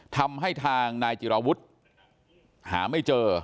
ทำให้ทางนายจิราวุฒิหาไม่เจอ